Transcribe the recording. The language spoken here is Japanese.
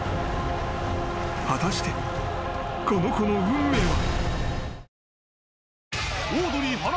［果たしてこの子の運命は］